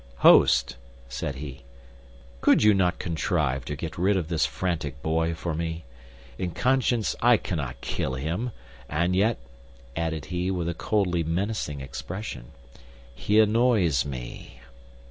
"Host," said he, "could you not contrive to get rid of this frantic boy for me? In conscience, I cannot kill him; and yet," added he, with a coldly menacing expression, "he annoys me.